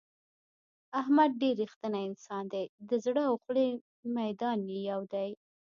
احمد ډېر رښتینی انسان دی د زړه او خولې میدان یې یو دی.